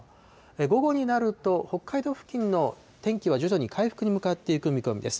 午後になると、北海道付近の天気は徐々に回復に向かっていく見込みです。